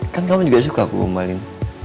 kan kamu juga suka aku gombalin